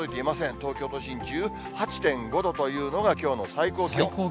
東京都心１８．５度というのがきょうの最高気温。